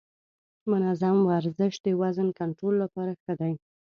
منظم ورزش د وزن کنټرول لپاره ښه دی.